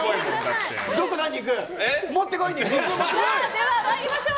では参りましょう！